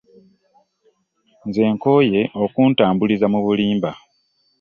Nze nkooye okuntambuliza mu bulimba.